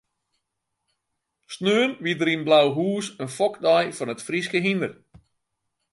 Saterdei wie der yn Blauhûs in fokdei fan it Fryske hynder.